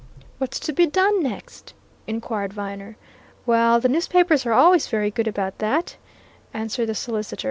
"What's to be done next?" inquired Viner. "Well, the newspapers are always very good about that," answered the solicitor.